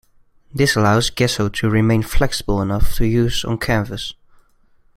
This allows gesso to remain flexible enough to use on canvas.